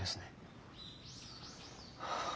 はあ。